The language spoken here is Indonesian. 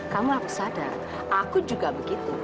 kamu aku sadar aku juga begitu